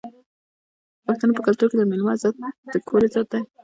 د پښتنو په کلتور کې د میلمه عزت د کور عزت دی.